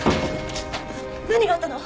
何があったの？